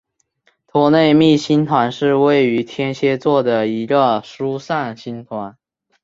托勒密星团是位于天蝎座的一个疏散星团。